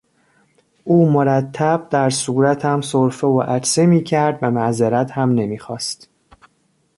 او مرتب در صورتم سرفه و عطسه میکرد و معذرت هم نمیخواست.